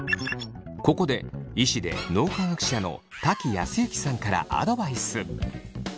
ここで医師で脳科学者の瀧靖之さんからアドバイス。